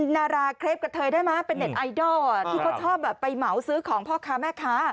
แน็ตไอดอลที่เขาชอบไปเหมาซื้อของพ่อค่ะแม่ค่ะ